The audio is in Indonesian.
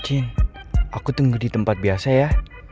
jin aku tunggu di tempat biasa ya